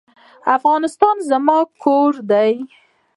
افغانستان زما کور دی؟